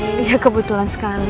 iya kebetulan sekali